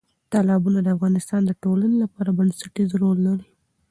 تالابونه د افغانستان د ټولنې لپاره بنسټيز رول لري.